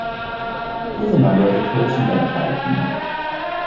He is a member of the Croatian Democratic Union.